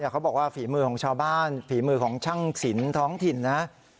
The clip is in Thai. เขาบอกว่าฝีมือของชาวบ้านฝีมือของช่างสินท้องถิ่นนะ